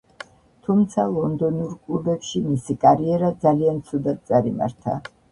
თუმცა ლონდონურ კლუბში მისი კარიერა ძალიან ცუდად წარიმართა.